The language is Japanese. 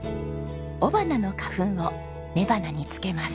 雄花の花粉を雌花に付けます。